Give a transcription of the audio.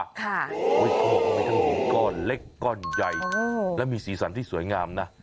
เขาบอกว่ามีทั้งหินก้อนเล็กก้อนใหญ่และมีสีสันที่สวยงามนะ